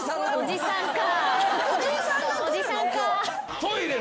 おじさんか。